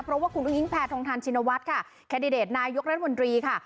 เพราะว่าคุณอุ้งแพทองทานชินวัฒน์ค่ะแคนดิเดตนายกรัฐมนตรีค่ะ